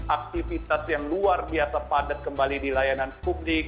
aktivitas yang luar biasa padat kembali di layanan publik